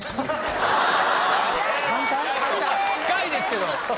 近いですけど！